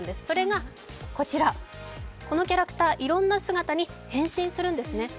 それがこちら、このキャラクター、いろんな姿に変身するんですね。